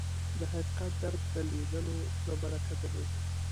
د حقیقت درک د لیدلو له برکته دی